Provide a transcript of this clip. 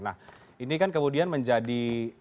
nah ini kan kemudian menjadi